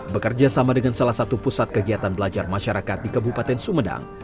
bekerja sama dengan salah satu pusat kegiatan belajar masyarakat di kabupaten sumedang